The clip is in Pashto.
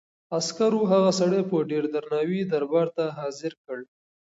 عسکرو هغه سړی په ډېر درناوي دربار ته حاضر کړ.